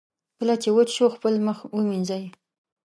کله چې وچ شو، خپل مخ ومینځئ.